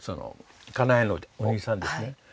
家内のお兄さんですね